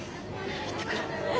行ってくる。